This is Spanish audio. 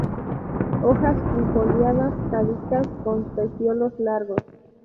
Hojas trifoliadas, caducas, con peciolos largos.